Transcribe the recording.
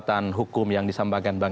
tapi ini pertumbuhan ada rasa sayang